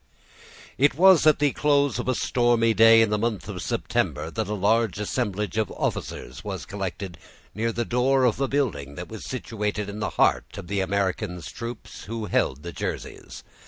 It was at the close of a stormy day in the month of September, that a large assemblage of officers was collected near the door of a building that was situated in the heart of the Americans troops, who held the Jerseys.